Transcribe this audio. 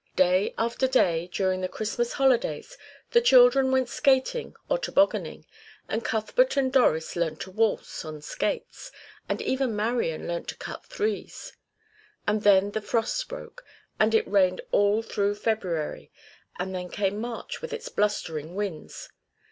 Day after day during the Christmas holidays the children went skating or tobogganing; and Cuthbert and Doris learnt to waltz on skates, and even Marian learnt to cut threes. And then the frost broke, and it rained all through February, and then came March with its blustering winds.